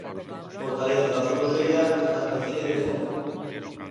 Fortaleza da Frouxeira en Santa Cilia de Foz.